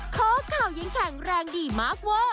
เค้าข่าวยังแข็งแรงดีมากว้อ